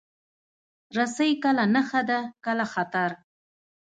رسۍ کله نښه ده، کله خطر.